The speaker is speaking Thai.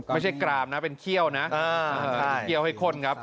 ไม่ใช่กรามนะเป็นเที่ยวนะเที่ยวให้คนครับ